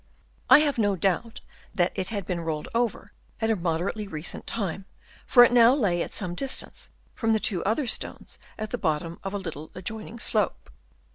I have no doubt that it had been rolled over at a moderately recent time, for it now lay at some distance from the two other stones at the bottom of a little adjoining slope.